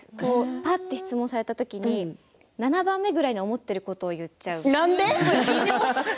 ぱっと質問された時に７番目ぐらいに思ってることを言ってしまうので。